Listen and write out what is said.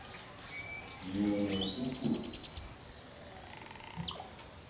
Yô e ne ékukur.